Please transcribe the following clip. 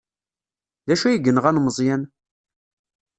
D acu ay yenɣan Meẓyan?